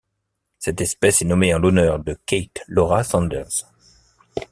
Cette espèce est nommée en l'honneur de Kate Laura Sanders.